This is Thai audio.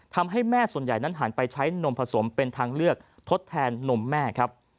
ทำให้แม่ส่วนใหญ่นั้นหันไปใช้นมผสมเป็นทางเลือกทดแทนนมแม่ครับ